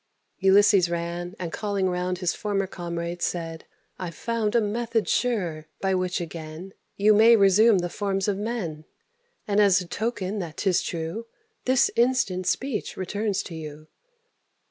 Ulysses ran, and, calling round His former comrades, said, "I've found A method sure, by which again You may resume the forms of men; And, as a token that 'tis true, This instant speech returns to you."